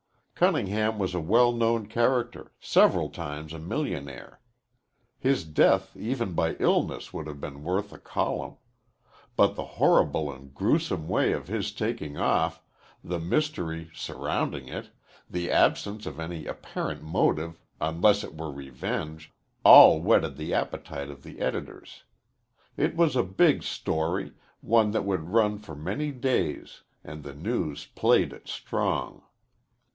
Cunningham was a well known character, several times a millionaire. His death even by illness would have been worth a column. But the horrible and grewsome way of his taking off, the mystery surrounding it, the absence of any apparent motive unless it were revenge, all whetted the appetite of the editors. It was a big "story," one that would run for many days, and the "News" played it strong.